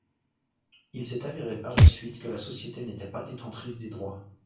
Il s'est avéré par la suite que la société n'était pas détentrice des droits.